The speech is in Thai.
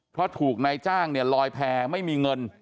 เพราะถูกนายจ้างเนี่ยลอยแพร่ไม่มีเงิน